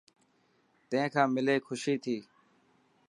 تين کان ملي خوشي ٿيي.